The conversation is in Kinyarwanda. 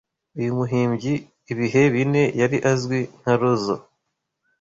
uyu muhimbyi Ibihe bine yari azwi nka Roso